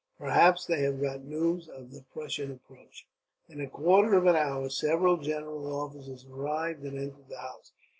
"Perhaps they have got news of the Prussian approach." In a quarter of an hour several general officers arrived, and entered the house.